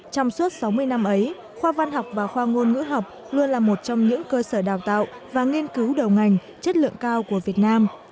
trong suốt sáu mươi năm ấy khoa văn học và khoa ngôn ngữ học luôn là một trong những cơ sở đào tạo và nghiên cứu đầu ngành chất lượng cao của việt nam